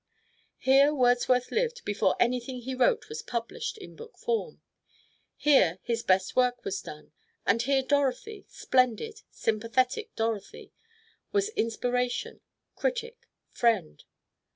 Here Wordsworth lived before anything he wrote was published in book form: here his best work was done, and here Dorothy splendid, sympathetic Dorothy was inspiration, critic, friend.